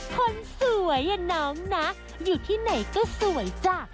คนสวยน้องนะอยู่ที่ไหนก็สวยจ้ะ